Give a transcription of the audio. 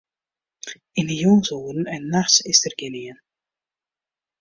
Yn 'e jûnsoeren en nachts is dêr gjinien.